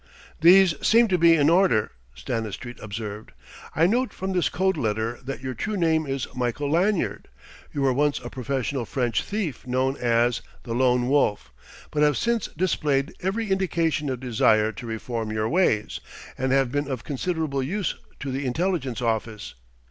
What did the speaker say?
"These seem to be in order," Stanistreet observed. "I note from this code letter that your true name is Michael Lanyard, you were once a professional French thief known as 'The Lone Wolf', but have since displayed every indication of desire to reform your ways, and have been of considerable use to the Intelligence Office.